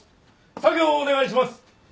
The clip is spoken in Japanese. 作業をお願いします！